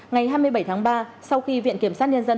ngày hai mươi bảy tháng ba sau khi viện kiểm sát nhân dân